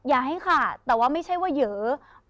อย่าให้ขาดแต่ว่าไม่ใช่ว่าเยอะ